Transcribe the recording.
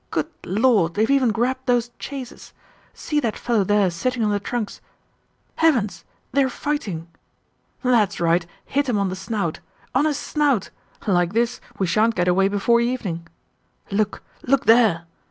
Good lord, they've even grabbed those chaises!... See that fellow there sitting on the trunks.... Heavens! They're fighting." "That's right, hit him on the snout—on his snout! Like this, we shan't get away before evening. Look, look there....